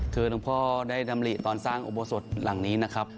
คือหลวงพ่อได้ดำริตอนสร้างอุโบสถหลังนี้นะครับ